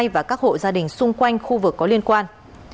và các hộ gia đình xung quanh khu vực có liên quan